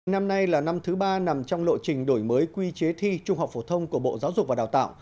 năm nay là năm thứ ba nằm trong lộ trình đổi mới quy chế thi trung học phổ thông của bộ giáo dục và đào tạo